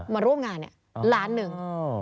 มาร่วมงานล้านหนึ่ง